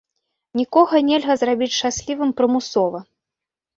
Нікога нельга зрабіць шчаслівым прымусова.